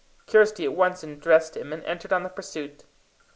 Kirsty at once undressed him and entered on the pursuit.